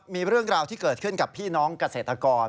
มีเรื่องราวที่เกิดขึ้นกับพี่น้องเกษตรกร